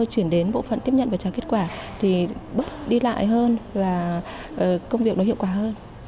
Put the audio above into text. chuyển đến bộ phận tiếp nhận và trả kết quả thì bước đi lại hơn và công việc nó hiệu quả hơn